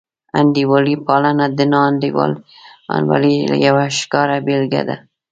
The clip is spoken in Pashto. انډیوالي پالنه د ناانډولۍ یوه ښکاره بېلګه ده.